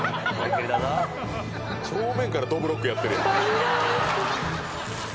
正面からどぶろっくやってるやん。